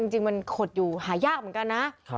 จริงมันขดอยู่หายากเหมือนกันนะ